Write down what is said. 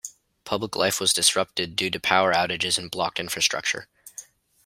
Public life was disrupted due to power outages and blocked infrastructure.